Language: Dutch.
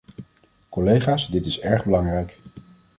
Collega's, dit is erg belangrijk.